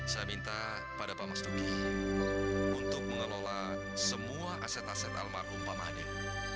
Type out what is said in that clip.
saya minta pada pak mas duki untuk mengelola semua aset aset almarhum pak mahdi